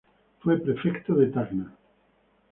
Fue prefecto de Tacna.